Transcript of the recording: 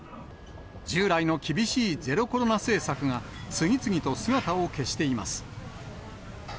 従来の厳しいゼロコロナ政策が、次々と姿を消しています。